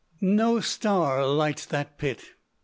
No star lights that Pit.